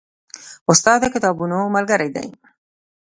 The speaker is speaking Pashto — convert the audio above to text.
استاد د کتابونو ملګری دی.